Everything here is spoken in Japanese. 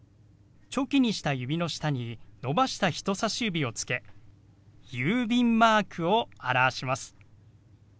チョキにした指の下に伸ばした人さし指をつけ郵便マークを表します。